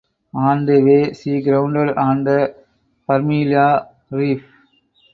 On the way she grounded on the Parmelia Reef.